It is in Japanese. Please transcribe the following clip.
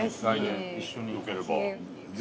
一緒に行ければ。